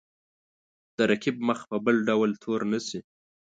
د رقیب مخ په بل ډول تور نه شي.